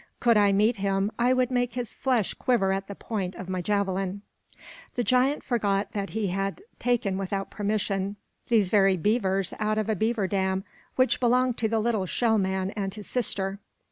Could I meet him, I would make his flesh quiver at the point of my javelin." The giant forgot that he had taken without permission these very heavers out of a beaver dam which belonged to the little shell man and his sister.